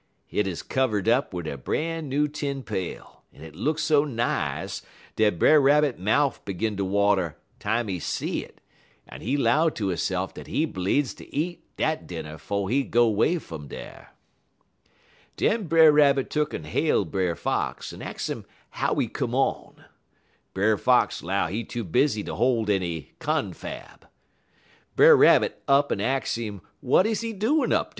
Hit 'uz kivered up in a bran new tin pail, en it look so nice dat Brer Rabbit mouf 'gun ter water time he see it, en he 'low ter hisse'f dat he bleedz ter eat dat dinner 'fo' he go 'way fum dar. "Den Brer Rabbit tuck'n hail Brer Fox, en ax 'im how he come on. Brer Fox 'low he too busy to hol' any confab. Brer Rabbit up en ax 'im w'at is he doin 'up dar.